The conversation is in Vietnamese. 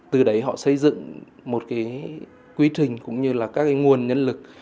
từ đấy họ xây dựng một cái quy trình cũng như là các nguồn nhân lực